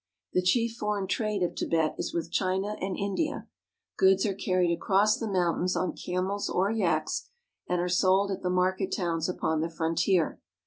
The chief foreign trade of Tibet is with China and India. Goods are carried across the mountains on camels or yaks, and are sold at the market towns upon the frontier.